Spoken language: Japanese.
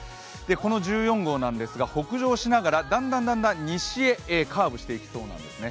この１４号なんですが北上しながらだんだん、西へカーブしていきそうなんですね。